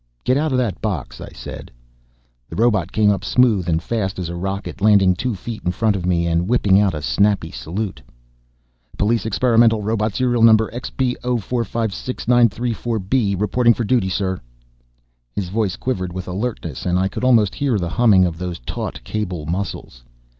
"Get out of that box," I said. The robot came up smooth and fast as a rocket, landing two feet in front of me and whipping out a snappy salute. "Police Experimental Robot, serial number XPO 456 934B, reporting for duty, sir." His voice quivered with alertness and I could almost hear the humming of those taut cable muscles.